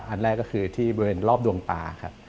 อันแรกก็คือที่บริเวณรอบดวงตาครับ